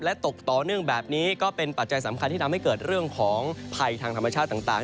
ตกต่อเนื่องแบบนี้ก็เป็นปัจจัยสำคัญที่ทำให้เกิดเรื่องของภัยทางธรรมชาติต่าง